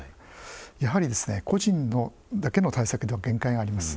やはり、個人だけの対策では限界があります。